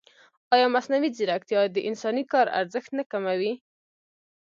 ایا مصنوعي ځیرکتیا د انساني کار ارزښت نه کموي؟